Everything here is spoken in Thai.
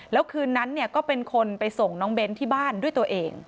แล้วคืนนั้นก็เป็นคนไปส่งน้องเบ้นที่บ้านด้วยตัวเอง